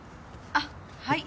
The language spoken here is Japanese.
あっはい。